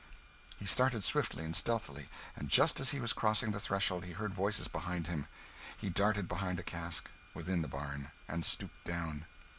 He started swiftly and stealthily, and just as he was crossing the threshold he heard voices behind him. He darted behind a cask, within the barn, and stooped down.